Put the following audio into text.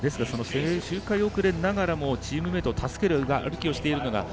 周回後れながらもチームメートを助ける動きを見せている。